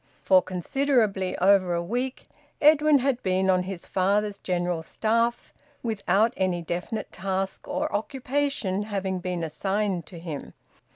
For considerably over a week Edwin had been on his father's general staff without any definite task or occupation having been assigned to him.